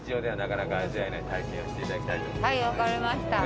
はい分かりました。